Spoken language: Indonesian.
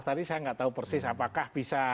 tadi saya nggak tahu persis apakah bisa